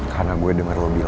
karena gue denger lo bilang